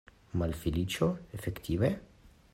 Malfeliĉo, efektive?